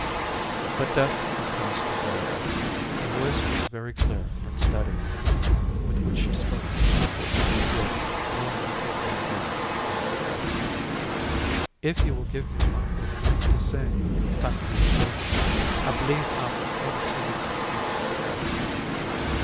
But death had passed her by. The voice was very clear and steady with which she spoke to Tante Lizette, brewing her tisane there in a corner. "Ef you will give me one good drink tisane, Tante Lizette, I b'lieve I'm goin' sleep, me."